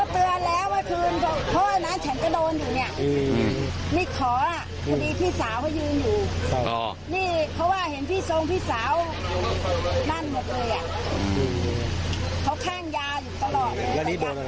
ค่ะ